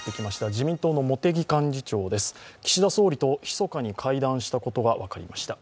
自民党の茂木幹事長、岸田総理と密かに会談したことが分かりました。